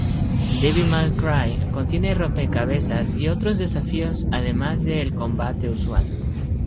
Devil May Cry contiene rompecabezas y otros desafíos además del combate usual.